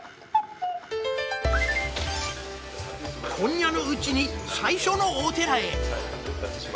今夜のうちに最初のお寺へ。